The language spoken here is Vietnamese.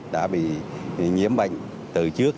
đã bị nhiễm bệnh từ trước